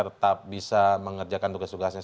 tetap bisa mengerjakan tugas tugasnya